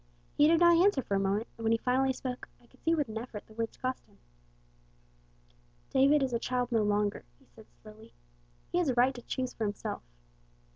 He did not answer for a moment, and when he finally spoke I could see what an effort the words cost him: "'David is a child no longer,' he said, slowly. 'He has a right to choose for himself.